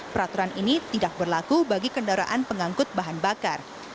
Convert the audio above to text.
peraturan ini tidak berlaku bagi kendaraan pengangkut bahan bakar